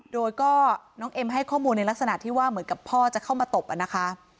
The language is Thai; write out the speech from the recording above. โดยก็น้องเอ็มให้ข้อมูลในลักษณะที่ว่าเหมือนกับพ่อจะเข้ามาตบอะนะคะ